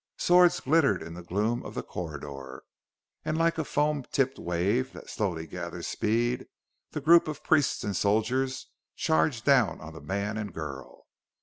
Swords glittered in the gloom of the corridor, and like a foam tipped wave that slowly gathers speed the group of priests and soldiers charged down on the man and girl.